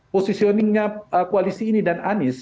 posisioningnya koalisi ini dan anis